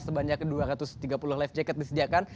sebanyak dua ratus tiga puluh life jacket disediakan